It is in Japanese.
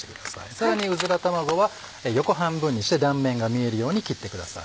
さらにうずら卵は横半分にして断面が見えるように切ってください。